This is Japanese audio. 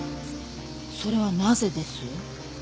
それはなぜです？